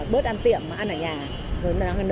bớt ăn tiệm mà ăn ở nhà